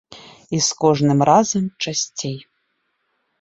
І з кожным разам часцей.